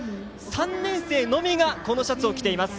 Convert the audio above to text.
３年生のみがこのシャツを着ています。